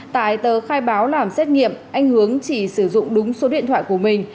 tại tờ khai báo làm xét nghiệm anh hướng chỉ sử dụng đúng số điện thoại của mình